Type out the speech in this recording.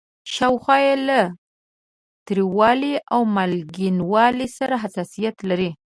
شاوخوا یې له تریوالي او مالګینوالي سره حساسیت لري.